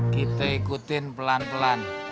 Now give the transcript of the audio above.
kita ikutin pelan pelan